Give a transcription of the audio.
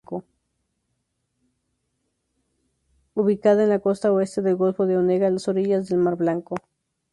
Ubicada en la costa oeste del golfo de Onega, a orillas del mar Blanco.